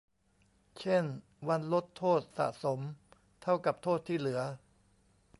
เช่น วันลดโทษสะสมเท่ากับโทษที่เหลือ